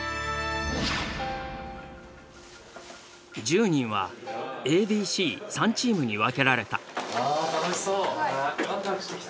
１０人はＡＢＣ３チームに分けられた。